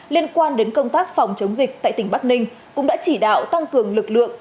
liên quan đến công tác phòng chống dịch tại tỉnh bắc ninh cũng đã chỉ đạo tăng cường lực lượng